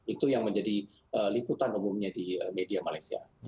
itu yang menjadi liputan umumnya di media malaysia